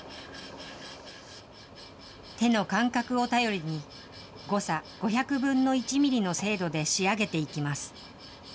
手の感覚を頼りに、誤差５００分の１ミリの精度で仕上げていきます。